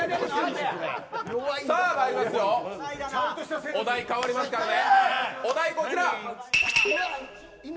さあいきましょうお題変わりますからね。